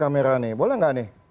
kameranya boleh nggak nih